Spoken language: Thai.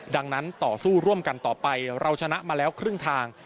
ดังนั้นต่อสู้ร่วมกันต่อไปเราชนะมาแล้วครึ่งทาง